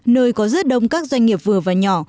nơi có rất đông các doanh nghiệp vừa và nhỏ